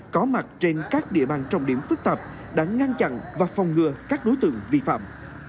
có mặt trên các địa bàn trọng điểm phức tạp đã ngăn chặn và phòng ngừa các đối tượng vi phạm